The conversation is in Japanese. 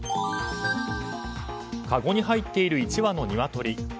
かごに入っている１羽のニワトリ。